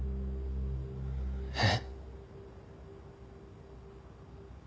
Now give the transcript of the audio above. えっ？